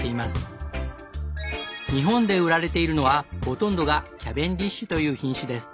日本で売られているのはほとんどがキャベンディッシュという品種です。